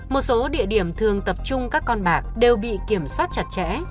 một số địa điểm thường tập trung các con bạc đều bị kiểm soát chặt chẽ